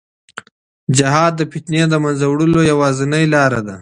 جهاد د فتنې د منځه وړلو یوازینۍ لار ده.